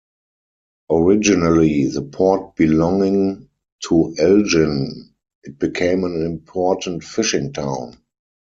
Originally the port belonging to Elgin, it became an important fishing town.